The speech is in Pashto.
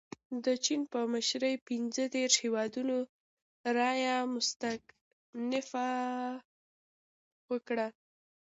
د چین په مشرۍ پنځه دېرش هیوادونو رایه مستنکفه ورکړه.